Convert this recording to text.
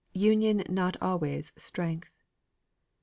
UNION NOT ALWAYS STRENGTH.